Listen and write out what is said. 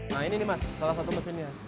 nah ini nih mas salah satu mesinnya